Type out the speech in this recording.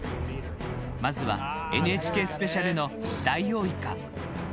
まずは「ＮＨＫスペシャル」のダイオウイカ。